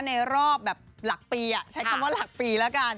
ในรอบแบบหลักปีใช้คำว่าหลักปีแล้วกัน